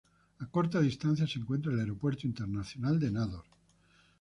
A corta distancia se encuentra el Aeropuerto Internacional de Nador.